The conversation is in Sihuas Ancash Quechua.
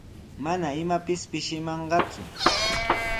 Mana imapis pishimanqaku.